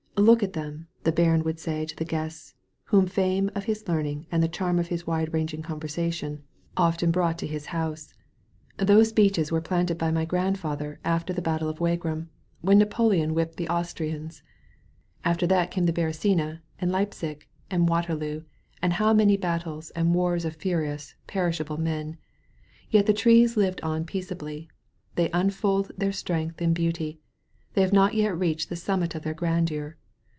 "Look at them," the baron would say to the guests whom the fame of his learning and the charm of his wide ranging conversation often brought to 45 THE VALLEY OE VISION his house. "Those beeches were planted by my grandfather alter the battle of Wagram, when Napo leon whipped the Austrians. After that came the Beresina and Leipsic and Waterloo and how many battles and wars of furious, perishable men. Yet the trees live on peaceably, they unfold their strength in beauty, they have not yet reached the summit of their grandeur.